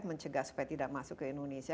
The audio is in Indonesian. mencegah supaya tidak masuk ke indonesia